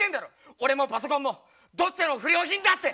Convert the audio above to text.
俺もパソコンもどっちも不良品だって。